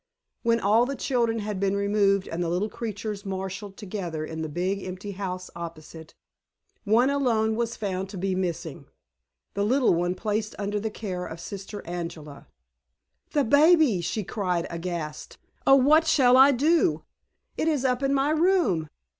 When all the children had been removed and the little creatures marshaled together in the big empty house opposite, one alone was found to be missing the little one placed under the care of Sister Angela. "The baby!" she cried, aghast. "Oh, what shall I do? It is up in my room!"